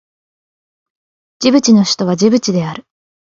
ジブチの首都はジブチである